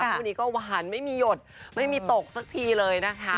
คู่นี้ก็หวานไม่มีหยดไม่มีตกสักทีเลยนะคะ